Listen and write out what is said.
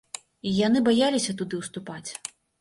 Яны баяліся туды ўступаць.